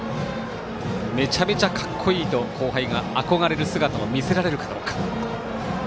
めちゃめちゃかっこいいと後輩が憧れる姿を見せられるかどうか。